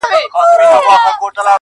د يو مئين سړي ژړا چي څوک په زړه وچيچي,